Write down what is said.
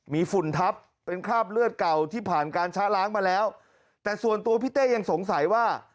มีฝุ่นทับเป็นคราบเลือดเก่าที่ผ่านการช้าล้างมาแล้วแต่ส่วนตัวพี่เต้ยังสงสัยว่า